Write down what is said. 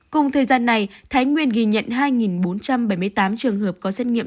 cùng thời gian này thái nguyên ghi nhận hai bốn trăm bảy mươi tám trường hợp có xét nghiệm